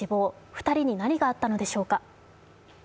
２人に何があったのでしょうか。